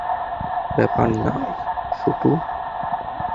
ব্যাপার না, শুটু।